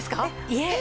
いえ。